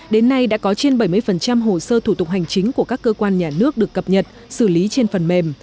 đến nay đã có trên bảy mươi hồ sơ thủ tục hành chính của các cơ quan nhà nước được cập nhật xử lý trên phần mềm